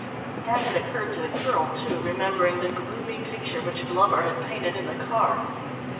That had occurred to the girl too, remembering the gloomy picture which Glover had painted in the car.